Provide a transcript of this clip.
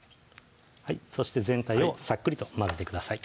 そして全体をさっくりと混ぜてください